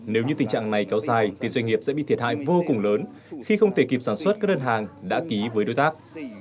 nếu như tình trạng này kéo dài thì doanh nghiệp sẽ bị thiệt hại vô cùng lớn khi không thể kịp sản xuất các đơn hàng đã ký với đối tác